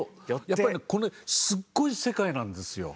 やっぱりねこの絵すっごい世界なんですよ。